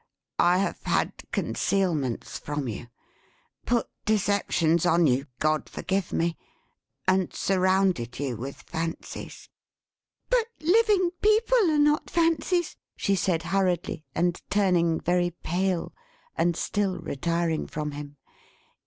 I have had concealments from you, put deceptions on you, God forgive me! and surrounded you with fancies." "But living people are not fancies?" she said hurriedly, and turning very pale, and still retiring from him.